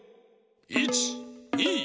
１２